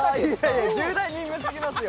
重大任務過ぎますよ！